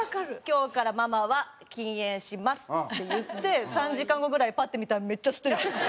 「今日からママは禁煙します」って言って３時間後ぐらいパッて見たらめっちゃ吸ってるんですよ。